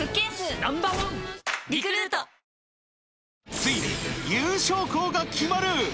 ついに優勝校が決まる！